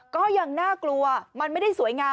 ก็ยังน่ากลัวมันไม่ได้สวยงาม